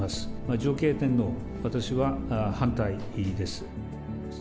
女系天皇、私は反対です。